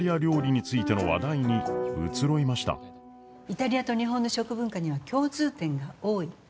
イタリアと日本の食文化には共通点が多い。